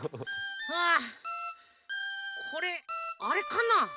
あこれあれかな？